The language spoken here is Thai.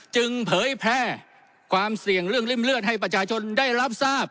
เผยแพร่ความเสี่ยงเรื่องริ่มเลือดให้ประชาชนได้รับทราบ